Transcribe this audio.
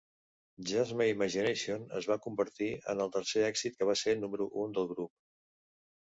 "Just My Imagination" es va convertir en el tercer èxit que va ser número un del grup.